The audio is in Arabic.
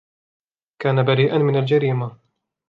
كان بريئاً من الجريمة.